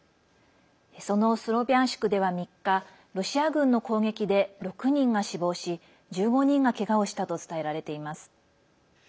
そのスロビャンシクでは３日ロシア軍の攻撃で６人が死亡し１５人がけがをしたと伝えられています。